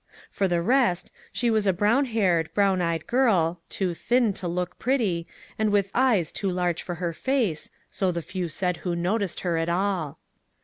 For the rest, she was a brown haired, brown eyed girl, too thin to look pretty, and with " eyes too large for her face," so the few said who noticed her at all.